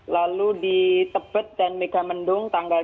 lalu di tebet dan megamendung tanggal tiga belas